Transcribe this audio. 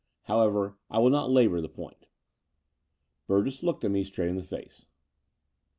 However, I will not labour the point." Burgess looked me straight in the face.